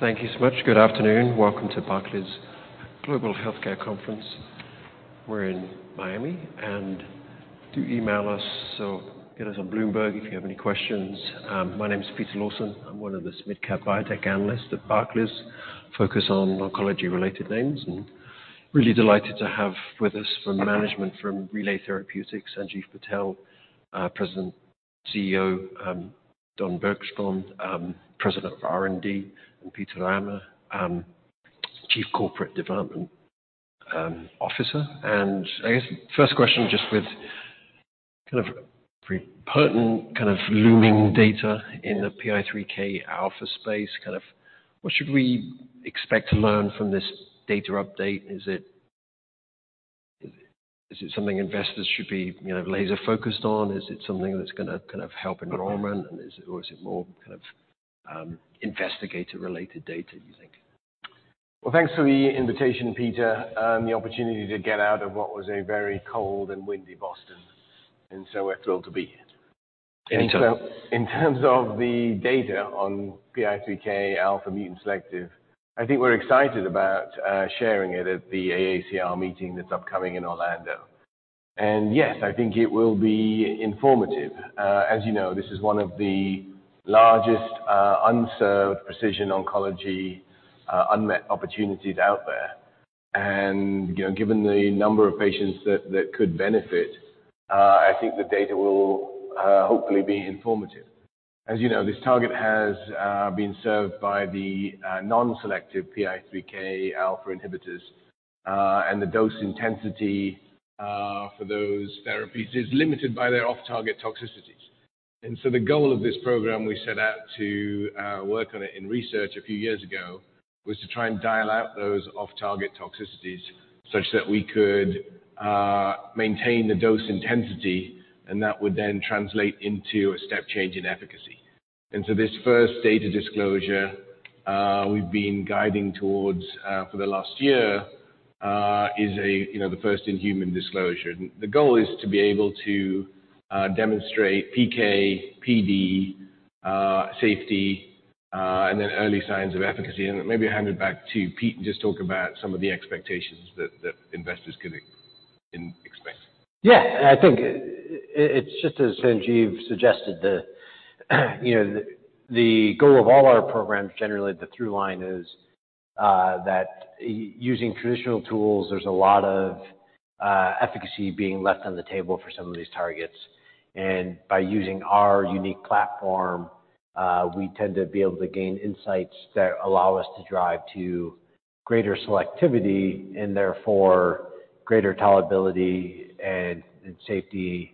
Thank you so much. Good afternoon. Welcome to Barclays Global Healthcare conference. We're in Miami and do email us, so hit us on Bloomberg if you have any questions. My name is Peter Lawson. I'm one of the Mid-Cap biotech Analysts at Barclays, focus on Oncology-related names, and really delighted to have with us from management from Relay Therapeutics, Sanjiv Patel, President, CEO, Don Bergstrom, President of R&D, and Peter Rahmer, Chief Corporate Development Officer. I guess first question, just with kind of pretty pertinent kind of looming data in the PI3Kα space, kind of what should we expect to learn from this data update? Is it something investors should be, you know, laser-focused on? Is it something that's gonna kind of help enrollment, or is it more kind of investigative-related data, you think? Thanks for the invitation, Peter, the opportunity to get out of what was a very cold and windy Boston. We're thrilled to be here. Anytime. In terms of the data on PI3Kα Mutant Selective, I think we're excited about sharing it at the AACR Meeting that's upcoming in Orlando. Yes, I think it will be informative. As you know, this is one of the largest unserved Precision Oncology unmet opportunities out there. You know, given the number of Patients that could benefit, I think the Data will hopefully be informative. As you know, this target has been served by the non-selective PI3Kα Inhibitors, and the dose intensity for those therapies is limited by their Off-Target Toxicities. The goal of this program we set out to work on it in research a few years ago was to try and dial out those Off-Target Toxicities such that we could maintain the Dose Intensity, and that would then translate into a step change in efficacy. This first Data disclosure we've been guiding towards for the last year is a, you know, the first in-human disclosure. The goal is to be able to demonstrate PK, PD, safety, and then early signs of efficacy. Maybe hand it back to Pete and just talk about some of the expectations that investors could expect. I think it's just as Sanjiv suggested the, you know, the goal of all our programs, generally the through line is that using traditional tools, there's a lot of efficacy being left on the table for some of these targets. By using our unique platform, we tend to be able to gain insights that allow us to drive to greater selectivity and therefore greater tolerability and safety.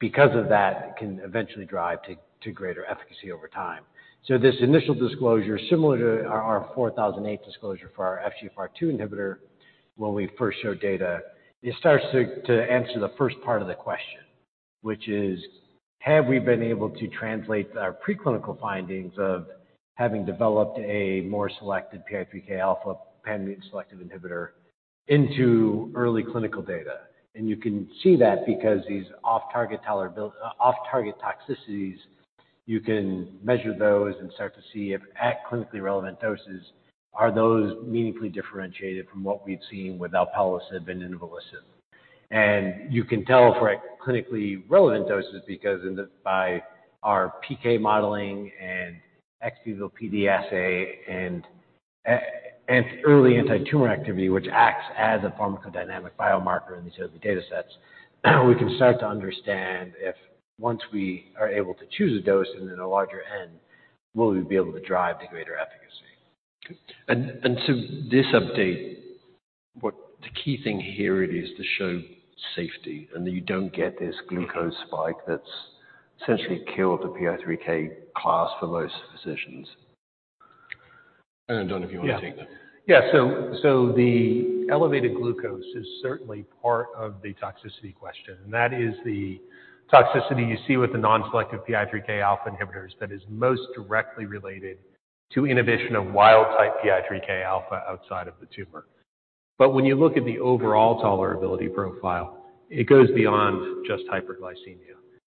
Because of that, can eventually drive to greater efficacy over time. This initial disclosure, similar to our 4008 Disclosure for our FGFR2 Inhibitor when we first showed data, it starts to answer the first part of the question, which is, have we been able to translate our preclinical findings of having developed a more selected PI3Kα Pan-Mutant Selective Inhibitor into early clinical data? You can see that because these Off-Target Toxicities, you can measure those and start to see if at clinically relevant doses are those meaningfully differentiated from what we've seen with Alpelisib and Inavolisib. You can tell for a clinically relevant doses because by our PK modeling and Ex Vivo PD Assay and early Antitumor activity, which acts as a Pharmacodynamic Biomarker in these early datasets, we can start to understand if once we are able to choose a dose and in a larger N, will we be able to drive to greater efficacy. This update, what the key thing here it is to show safety and that you don't get this glucose spike that's essentially killed the PI3Kα class for most physicians. I don't know, Don, if you want to take that. The elevated glucose is certainly part of the toxicity question. That is the toxicity you see with the non-selective PI3Kα Inhibitors that is most directly related to inhibition of wild-type PI3Kα outside of the tumor. When you look at the overall tolerability profile, it goes beyond just hyperglycemia,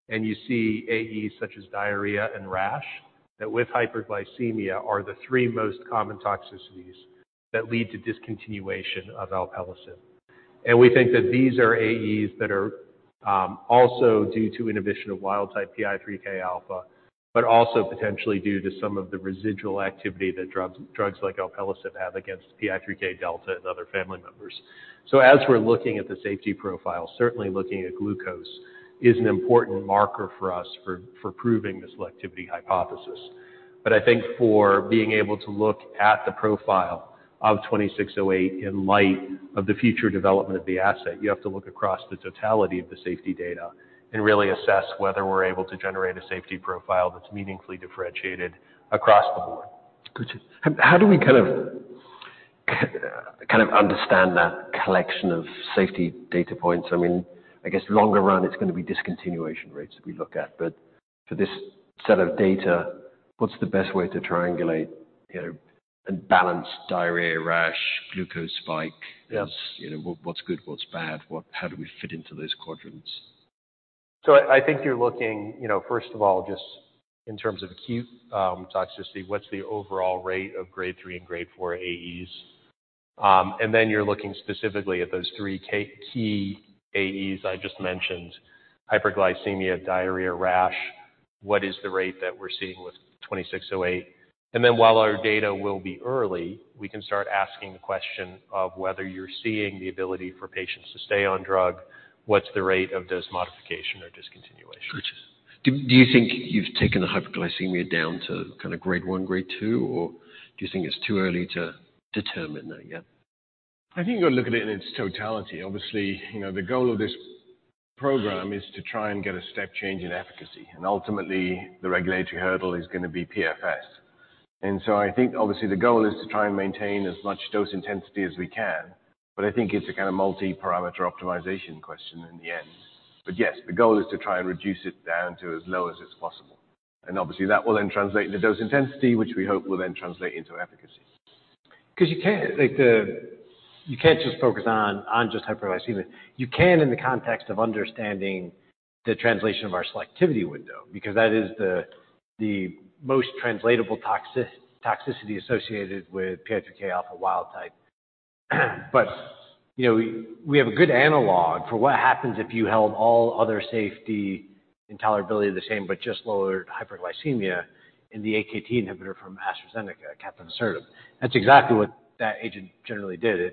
and you see AEs such as diarrhea and rash that with hyperglycemia are the three most common toxicities that lead to Discontinuation of Alpelisib. We think that these are AEs that are also due to inhibition of wild-type PI3Kα, but also potentially due to some of the residual activity that drugs like Alpelisib have against PI3Kδ and other family members. As we're looking at the safety profile, certainly looking at glucose is an important marker for us for proving the selectivity hypothesis. I think for being able to look at the profile of RLY-2608 in light of the future development of the asset, you have to look across the totality of the safety data and really assess whether we're able to generate a safety profile that's meaningfully differentiated across the board. Gotcha. How do we kind of understand that collection of safety data points? I mean, I guess longer run, it's going to be discontinuation rates we look at. But for this set of data, what's the best way to triangulate, you know, and balance diarrhea, rash, glucose spike? Yes. You know, what's good, what's bad, how do we fit into those quadrants? I think you're looking, you know, first of all, just in terms of acute toxicity, what's the overall rate of grade 3 and grade 4 AEs? Then you're looking specifically at those three key AEs I just mentioned, hyperglycemia, diarrhea, rash. What is the rate that we're seeing with RLY-2608? Then while our data will be early, we can start asking the question of whether you're seeing the ability for patients to stay on drug. What's the rate of dose modification or discontinuation? Got you. Do you think you've taken the hyperglycemia down to kinda grade 1, grade 2, or do you think it's too early to determine that yet? I think you gotta look at it in its totality. Obviously, you know, the goal of this program is to try and get a step change in efficacy. Ultimately, the regulatory hurdle is gonna be PFS. I think obviously the goal is to try and maintain as much dose intensity as we can, but I think it's a kinda multi-parameter optimization question in the end. Yes, the goal is to try and reduce it down to as low as it's possible. Obviously, that will then translate into dose intensity, which we hope will then translate into efficacy. You can't just focus on just hyperglycemia. You can in the context of understanding the translation of our selectivity window, because that is the most translatable toxicity associated with PI3Kα wild type. You know, we have a good analog for what happens if you held all other safety intolerability the same, but just lowered hyperglycemia in the AKT inhibitor from AstraZeneca, Capivasertib. That's exactly what that agent generally did.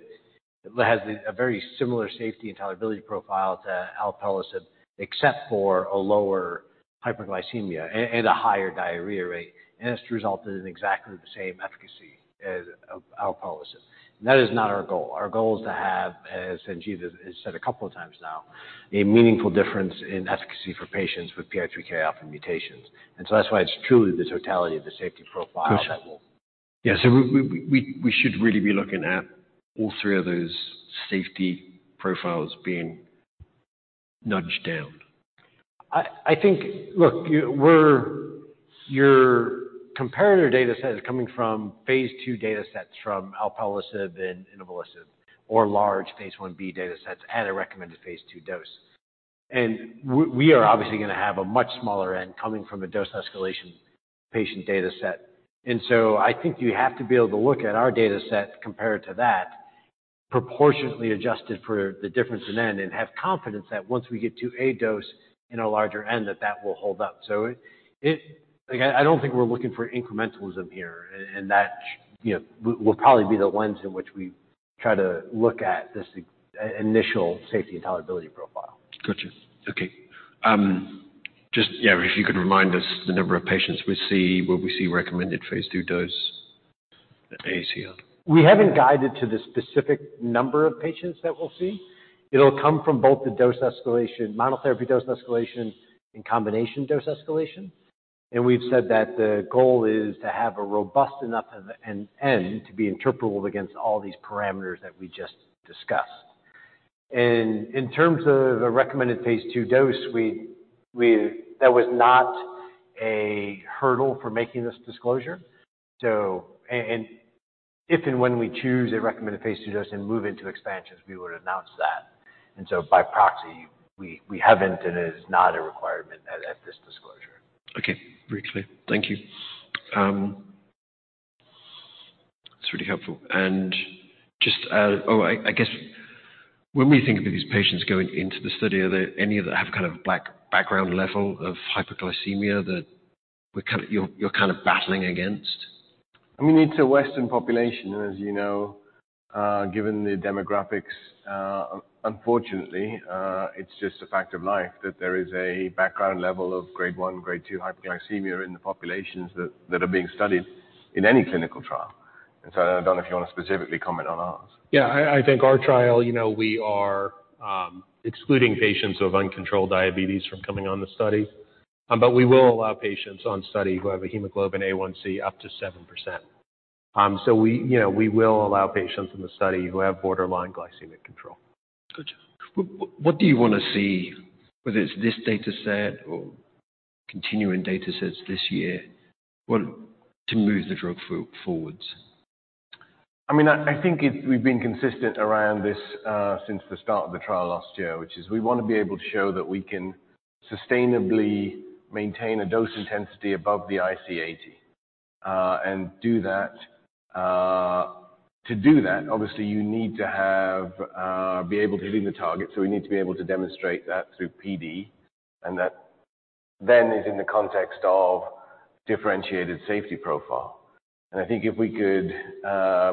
It has a very similar safety intolerability profile to Alpelisib, except for a lower hyperglycemia and a higher diarrhea rate, and it's resulted in exactly the same efficacy as, of Alpelisib. That is not our goal. Our goal is to have, as Sanjiv has said a couple of times now, a meaningful difference in efficacy for patients with PI3Kα mutations. That's why it's truly the totality of the safety profile that. Got you. Yeah. We should really be looking at all three of those safety profiles being nudged down. Your comparator data set is coming from phase II data sets from Alpelisib and Inavolisib or large phase I-B data sets at a recommended phase II dose. We are obviously gonna have a much smaller end coming from a dose escalation patient data set. I think you have to be able to look at our data set compared to that, proportionately adjusted for the difference in end, and have confidence that once we get to a dose in a larger end, that that will hold up. Like, I don't think we're looking for incrementalism here, and that you know, will probably be the lens in which we try to look at this initial safety intolerability profile. Gotcha. Okay. just, yeah, if you could remind us the number of patients we see, will we see recommended phase II dose at AACR? We haven't guided to the specific number of patients that we'll see. It'll come from both the dose escalation, Monotherapy Dose Escalation and Combination Dose Escalation. We've said that the goal is to have a robust enough of an end to be interpretable against all these parameters that we just discussed. In terms of a recommended phase II dose, we That was not a hurdle for making this disclosure. If and when we choose a recommended phase II dose and move into expansions, we would announce that. By proxy, we haven't and it is not a requirement at this disclosure. Okay. Very clear. Thank you. That's really helpful. Just I guess when we think about these patients going into the study, are there any that have kind of background level of hyperglycemia that we're kind of You're kind of battling against? I mean, it's a Western population. As you know, given the demographics, unfortunately, it's just a fact of life that there is a background level of grade 1, grade 2 hyperglycemia in the populations that are being studied in any clinical trial. I don't know if you wanna specifically comment on ours. Yeah. I think our trial, you know, we are, excluding patients who have uncontrolled diabetes from coming on the study. We will allow patients on study who have a Hemoglobin A1c up to 7%. We, you know, we will allow patients in the study who have borderline glycemic control. Gotcha. What do you wanna see, whether it's this data set or continuing data sets this year, what... To move the drug forwards? I mean, I think we've been consistent around this since the start of the trial last year, which is we wanna be able to show that we can sustainably maintain a dose intensity above the IC80 and do that. To do that, obviously, you need to have be able to hit the target. We need to be able to demonstrate that through PD, and that then is in the context of differentiated safety profile. I think if we could,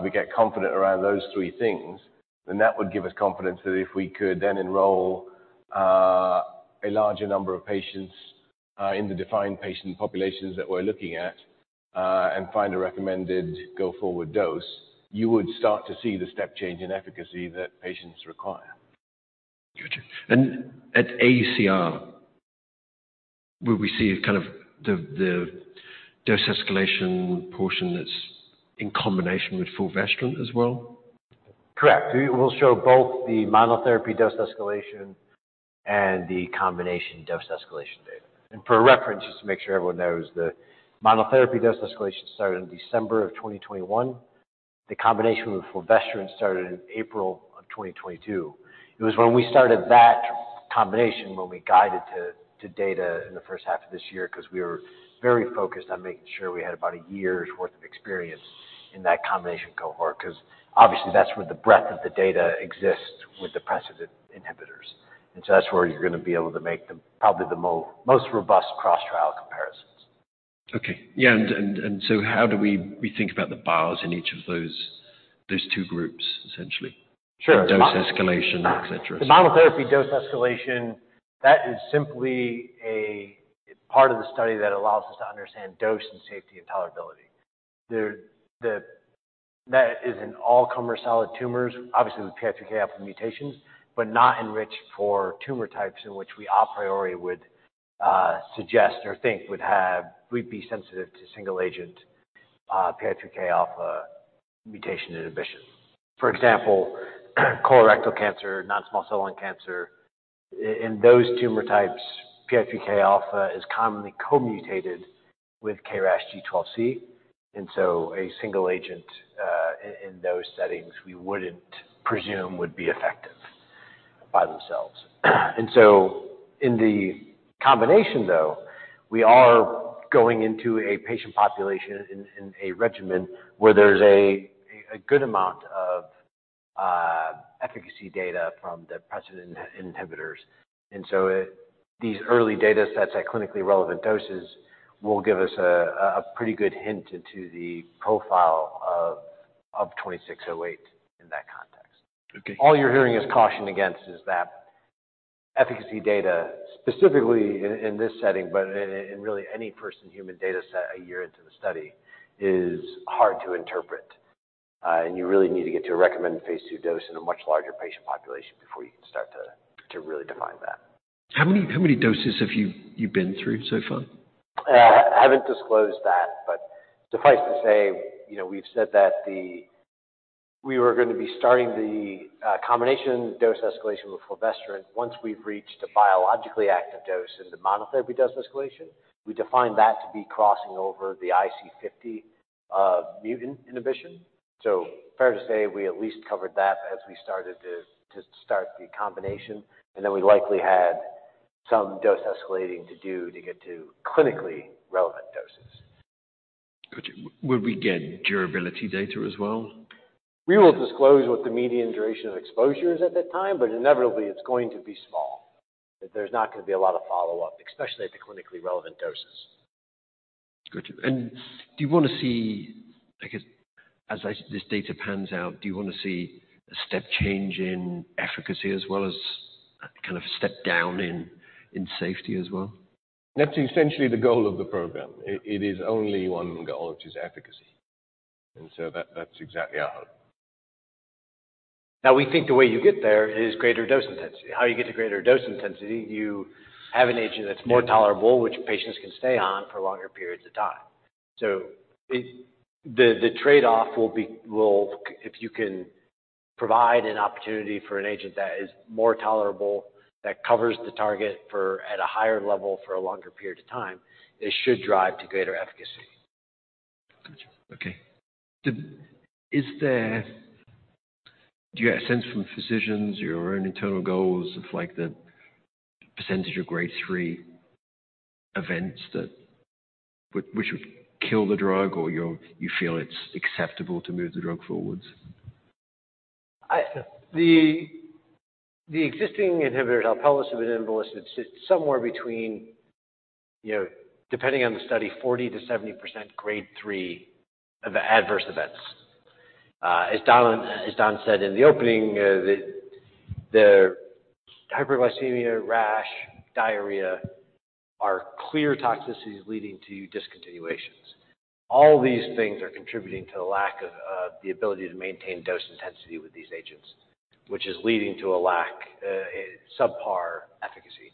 we get confident around those three things, then that would give us confidence that if we could then enroll a larger number of patients in the defined patient populations that we're looking at, and find a recommended go-forward dose, you would start to see the step change in efficacy that patients require. Gotcha. At AACR, will we see kind of the dose escalation portion that's in combination with fulvestrant as well? Correct. We will show both the Monotherapy Dose Escalation and the Combination Dose Escalation data. For reference, just to make sure everyone knows, the Monotherapy Dose Escalation started in December of 2021. The combination with fulvestrant started in April of 2022. It was when we started that combination, when we guided to data in the first half of this year, 'cause we were very focused on making sure we had about a year's worth of experience in that combination cohort 'cause obviously, that's where the breadth of the data exists with the precedent inhibitors. That's where you're gonna be able to make the, probably the most robust cross-trial comparisons. Okay. Yeah, how do we think about the bios in each of those two groups, essentially? Sure. The dose escalation, et cetera, et cetera. The Monotherapy Dose Escalation, that is simply a part of the study that allows us to understand dose and safety and tolerability. There, That is in all comer solid tumors, obviously with PI3Kα mutations, but not enriched for tumor types in which we a priori would suggest or think would be sensitive to single agent PI3Kα mutation inhibition. For example, colorectal cancer, non-small cell lung cancer. In those tumor types, PI3Kα is commonly co-mutated with KRAS G12C, and so a single agent in those settings, we wouldn't presume would be effective by themselves. In the combination, though, we are going into a patient population in a regimen where there's a good amount of efficacy data from the precedent inhibitors. It... These early data sets at clinically relevant doses will give us a pretty good hint into the profile of RLY-2608 in that context. Okay. All you're hearing us caution against is that efficacy data, specifically in this setting, but in really any first human data set a year into the study, is hard to interpret. You really need to get to a recommended phase II dose in a much larger patient population before you can start to really define that. How many doses have you been through so far? I haven't disclosed that, suffice to say, you know, we've said that We were gonna be starting the Combination Dose Escalation with fulvestrant once we've reached a biologically active dose in the Monotherapy Dose Escalation. We define that to be crossing over the IC50 mutant inhibition. Fair to say we at least covered that as we started to start the combination, we likely had some dose escalating to do to get to clinically relevant doses. Gotcha. Will we get durability data as well? We will disclose what the median duration of exposure is at that time, but inevitably, it's gonna be small. There's not gonna be a lot of follow-up, especially at the clinically relevant doses. Gotcha. Do you wanna see, I guess, as this data pans out, do you wanna see a step change in efficacy as well as a kind of step down in safety as well? That's essentially the goal of the program. It is only one goal, which is efficacy, that's exactly our... Now, we think the way you get there is greater dose intensity. How you get to greater dose intensity, you have an agent that's more tolerable, which patients can stay on for longer periods of time. The trade-off will be... If you can provide an opportunity for an agent that is more tolerable, that covers the target for at a higher level for a longer period of time, it should drive to greater efficacy. Gotcha. Okay. Do you have a sense from physicians, your own internal goals of, like, the percentage of grade 3 events which would kill the drug, or you feel it's acceptable to move the drug forwards? The existing inhibitors, Alpelisib and Inavolisib, sit somewhere between, you know, depending on the study, 40%-70% grade 3 of adverse events. As Don said in the opening, the hyperglycemia, rash, diarrhea are clear toxicities leading to discontinuations. All these things are contributing to the lack of the ability to maintain dose intensity with these agents, which is leading to a lack, subpar efficacy.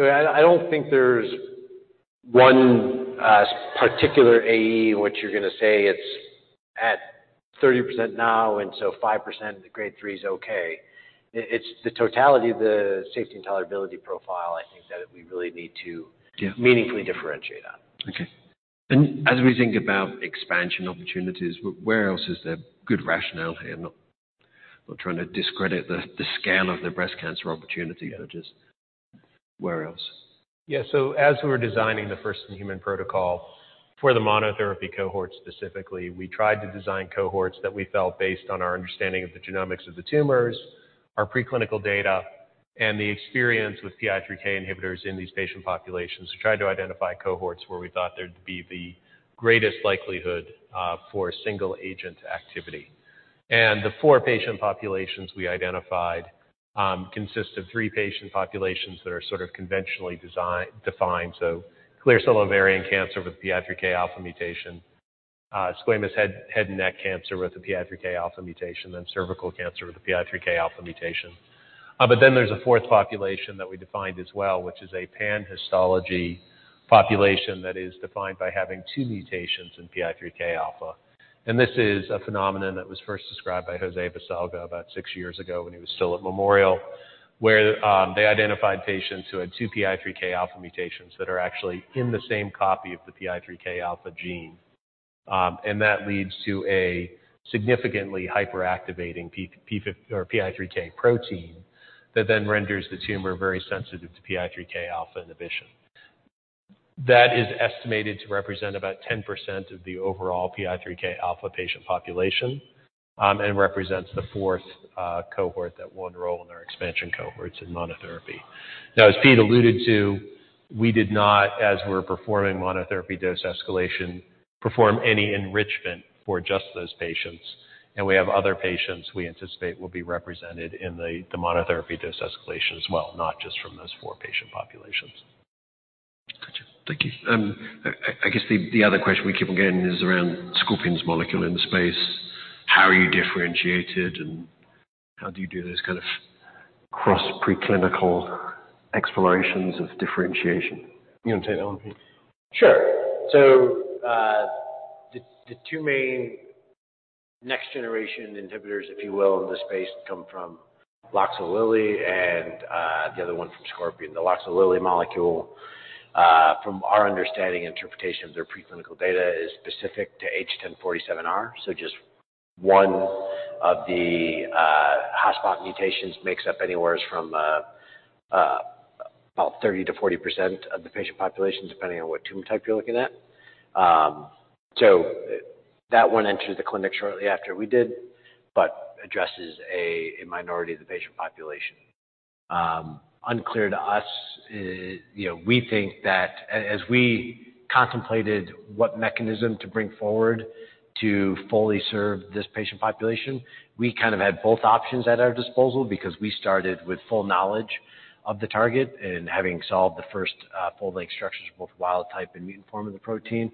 I don't think there's one particular AE in which you're gonna say it's at 30% now, 5% grade 3 is okay. It's the totality of the safety and tolerability profile, I think, that we really need to. Yeah. meaningfully differentiate on. Okay. As we think about expansion opportunities, where else is there good rationale here? Not trying to discredit the scale of the breast cancer opportunity. I just... Where else? As we were designing the first human protocol for the monotherapy cohort specifically, we tried to design cohorts that we felt based on our understanding of the genomics of the tumors, our preclinical data, and the experience with PI3K inhibitors in these patient populations. We tried to identify cohorts where we thought there'd be the greatest likelihood for single agent activity. The four patient populations we identified consist of three patient populations that are sort of conventionally defined, so clear cell ovarian cancer with PI3Kα mutation, squamous head and neck cancer with a PI3Kα mutation, cervical cancer with a PI3Kα mutation. There's a fourth population that we defined as well, which is a pan-histology population that is defined by having two mutations in PI3Kα. This is a phenomenon that was first described by José Baselga about six years ago when he was still at Memorial, where they identified patients who had two PI3Kα mutations that are actually in the same copy of the PI3Kα gene. That leads to a significantly hyperactivating PI3Kα protein that then renders the tumor very sensitive to PI3Kα inhibition. That is estimated to represent about 10% of the overall PI3Kα patient population, and represents the fourth cohort that will enroll in our expansion cohorts in monotherapy. As Pete Rahmer alluded to, we did not, as we're performing Monotherapy Dose Escalation, perform any enrichment for just those patients. We have other patients we anticipate will be represented in the Monotherapy Dose Escalation as well, not just from those four patient populations. Gotcha. Thank you. I guess the other question we keep on getting is around Scorpion's molecule in the space. How are you differentiated, and how do you do those kind of cross-preclinical explorations of differentiation? You wanna take that one, Pete? Sure. the two main next generation inhibitors, if you will, in the space come from Loxo Oncology and the other one from Scorpion. The Loxo Oncology molecule from our understanding interpretation of their preclinical data is specific to H1047R, so just one of the hotspot mutations makes up anywhere from about 30%-40% of the patient population, depending on what tumor type you're looking at. that one entered the clinic shortly after we did but addresses a minority of the patient population. unclear to us. You know, we think that as we contemplated what mechanism to bring forward to fully serve this patient population, we kind of had both options at our disposal because we started with full knowledge of the target and having solved the first full-length structures of both wild-type and mutant form of the protein.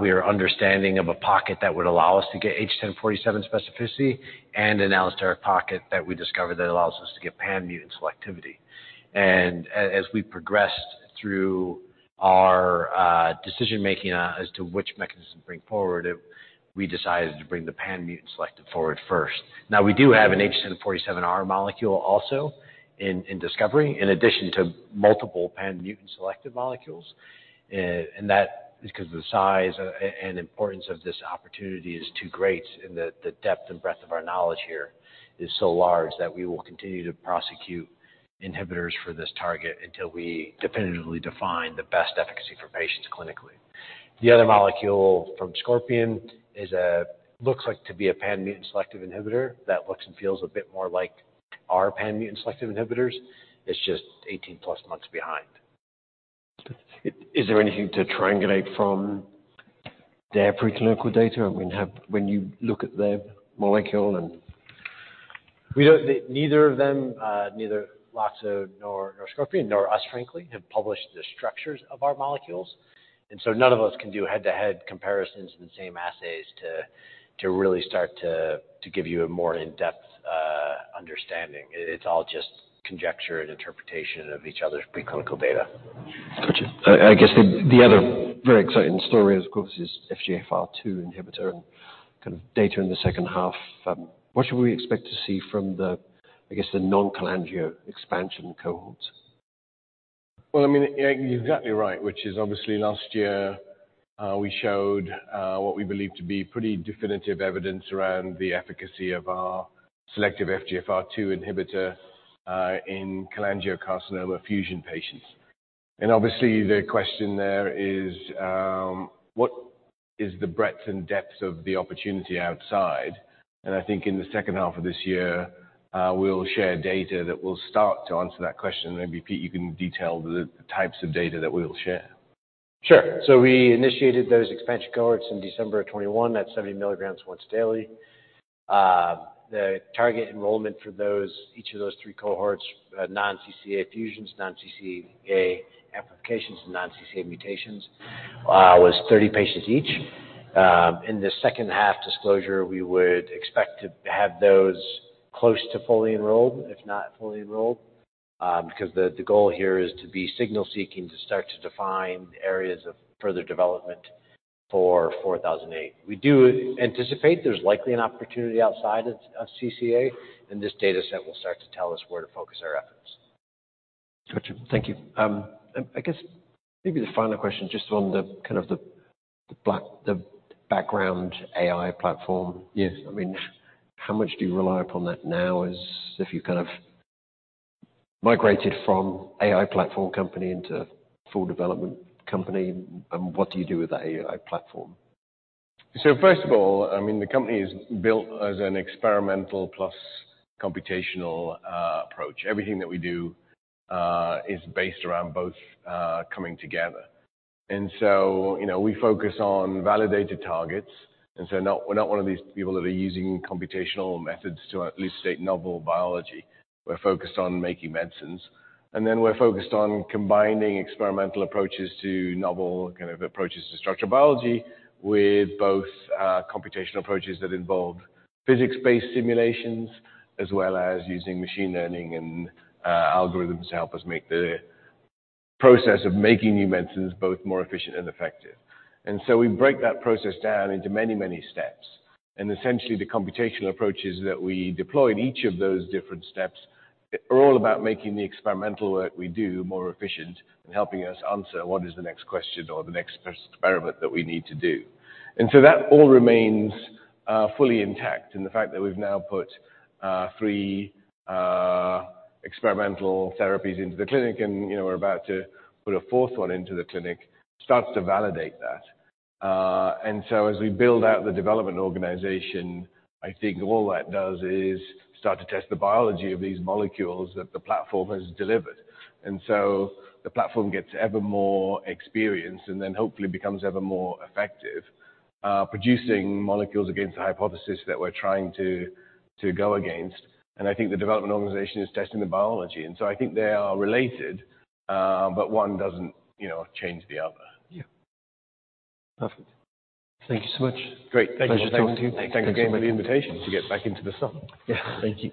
We are understanding of a pocket that would allow us to get H1047R specificity and an allosteric pocket that we discovered that allows us to get pan-mutant selectivity. As we progressed through our decision-making as to which mechanism to bring forward, we decided to bring the pan-mutant selective forward first. Now we do have an H1047R molecule also in discovery, in addition to multiple pan-mutant selective molecules. That is because the size and importance of this opportunity is too great and the depth and breadth of our knowledge here is so large that we will continue to prosecute inhibitors for this target until we definitively define the best efficacy for patients clinically. The other molecule from Scorpion looks like to be a pan-mutant selective inhibitor that looks and feels a bit more like our pan-mutant selective inhibitors. It's just 18 plus months behind. Is there anything to triangulate from their preclinical data? I mean, when you look at their molecule and... Neither of them, neither Loxo nor Scorpion, nor us, frankly, have published the structures of our molecules. None of us can do head-to-head comparisons in the same assays to really start to give you a more in-depth understanding. It's all just conjecture and interpretation of each other's preclinical data. Gotcha. I guess the other very exciting story, of course, is FGFR2 inhibitor and kind of data in the second half. What should we expect to see from the, I guess, the non-cholangio expansion cohorts? Well, I mean, yeah, you're exactly right, which is obviously last year, we showed what we believe to be pretty definitive evidence around the efficacy of our selective FGFR2 inhibitor, in cholangiocarcinoma fusion patients. Obviously, the question there is, what is the breadth and depth of the opportunity outside? I think in the second half of this year, we'll share data that will start to answer that question. Maybe, Pete, you can detail the types of data that we'll share. Sure. We initiated those expansion cohorts in December of 2021 at 70 milligrams once daily. The target enrollment for those, each of those three cohorts, non-CCA fusions, non-CCA amplifications, and non-CCA mutations, was 30 patients each. In the second half disclosure, we would expect to have those close to fully enrolled, if not fully enrolled, because the goal here is to be signal-seeking to start to define areas of further development for RLY-4008. We do anticipate there's likely an opportunity outside of CCA, this data set will start to tell us where to focus our efforts. Gotcha. Thank you. I guess maybe the final question just on the kind of the background AI platform. Yes. I mean, how much do you rely upon that now as if you've kind of migrated from AI platform company into full development company, and what do you do with that AI platform? First of all, I mean, the company is built as an experimental plus computational approach. Everything that we do is based around both coming together. You know, we focus on validated targets, and so we're not one of these people that are using computational methods to elucidate novel biology. We're focused on making medicines. Then we're focused on combining experimental approaches to novel kind of approaches to structural biology with both computational approaches that involve physics-based simulations as well as using machine learning and algorithms to help us make the process of making new medicines both more efficient and effective. We break that process down into many, many steps. Essentially, the computational approaches that we deploy in each of those different steps are all about making the experimental work we do more efficient and helping us answer what is the next question or the next experiment that we need to do. That all remains fully intact, and the fact that we've now put three experimental therapies into the clinic and, you know, we're about to put a fourth one into the clinic starts to validate that. As we build out the development organization, I think all that does is start to test the biology of these molecules that the platform has delivered. The platform gets ever more experienced and then hopefully becomes ever more effective, producing molecules against the hypothesis that we're trying to go against. I think the development organization is testing the biology, and so I think they are related, but one doesn't, you know, change the other. Yeah. Perfect. Thank you so much. Great. Pleasure talking to you. Thank you so much. Thank you again for the invitation to get back into the sun. Yeah. Thank you.